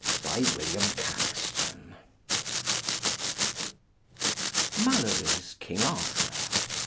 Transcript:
BY WILLIAM CAXTON MALORY'S KING ARTHUR.